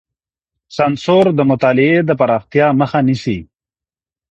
سانسور د مطالعې د پراختيا مخه نيسي.